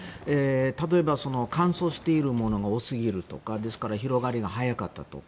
例えば、乾燥しているものが多すぎるとかですから広がりが早かったとか。